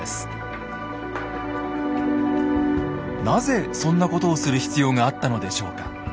なぜそんなことをする必要があったのでしょうか？